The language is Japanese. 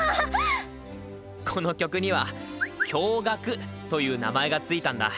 この曲には「驚がく」という名前が付いたんだ。